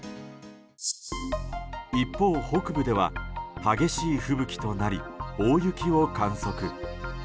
一方、北部では激しい吹雪となり大雪を観測。